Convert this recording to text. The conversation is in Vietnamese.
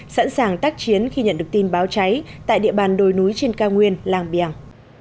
sẵn sàng tác chiến khi nhận được tin báo cháy tại địa bàn đồi núi trên cao nguyên làng biển